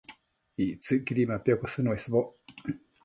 Ictsëcquidi mapiocosën uesboc